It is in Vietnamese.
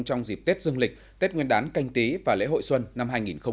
trong dịp tết dương lịch tết nguyên đán canh tí và lễ hội xuân năm hai nghìn hai mươi